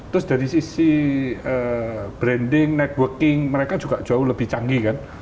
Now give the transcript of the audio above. terus dari sisi branding networking mereka juga jauh lebih canggih kan